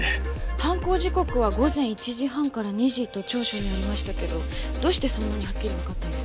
犯行時刻は午前１時半から２時と調書にありましたけどどうしてそんなにはっきりわかったんです？